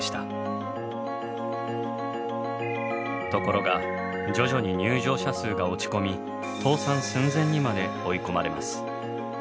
ところが徐々に入場者数が落ち込み倒産寸前にまで追い込まれます。